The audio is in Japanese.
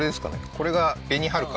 これが紅はるか